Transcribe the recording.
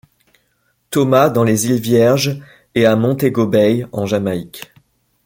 Thomas dans les Îles Vierges et à Montego Bay, en Jamaïque.